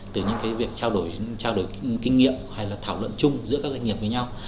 từ những cái việc trao đổi kinh nghiệm hay là thảo luận chung giữa các doanh nghiệp với nhau